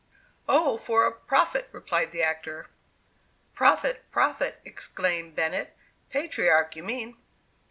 "O! for a profit," replied the actor. "Prophet, prophet!" exclaimed Bennett, "patriarch, you mean!"